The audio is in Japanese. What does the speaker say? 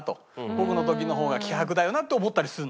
僕の時の方が希薄だよなと思ったりするんだよね。